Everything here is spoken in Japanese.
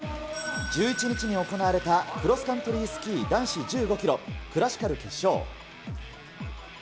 １１日に行われたクロスカントリースキー男子１５キロクラシカル決勝。